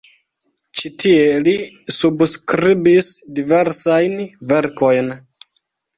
Ĉi tie li subskribis diversajn verkojn.